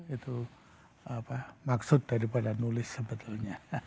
itu maksud daripada nulis sebetulnya